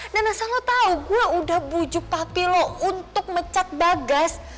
dan asal lo tau gue udah bujuk papi lo untuk mecat bagas